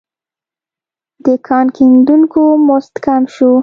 د کان کیندونکو مزد کم شو.